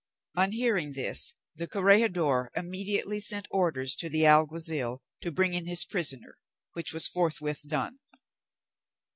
On hearing this the corregidor immediately sent orders to the alguazil to bring in his prisoner, which was forthwith done.